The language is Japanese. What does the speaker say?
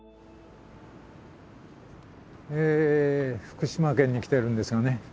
福島県に来てるんですよね。